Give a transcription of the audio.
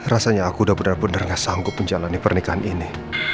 rasanya aku udah benar benar gak sanggup menjalani pernikahan ini